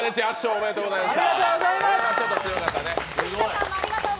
ありがとうございます！